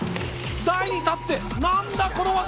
台に立って何だこの技！